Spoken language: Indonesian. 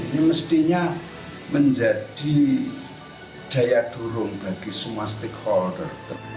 ini mestinya menjadi daya durung bagi semua stakeholder